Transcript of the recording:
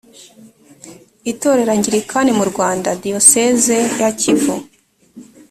itorero angilikani mu rwanda diyoseze ya kivu